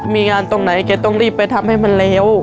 มีงานตรงไหนแกต้องรีบไปทำให้มันเร็ว